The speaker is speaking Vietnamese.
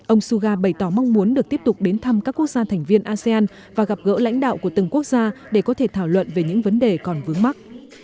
ông suga bày tỏ mong muốn được tiếp tục đến thăm các quốc gia thành viên asean và gặp gỡ lãnh đạo của từng quốc gia để có thể thảo luận về những vấn đề còn vướng mắt